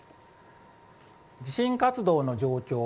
地震活動の状況。